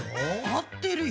合ってるよ。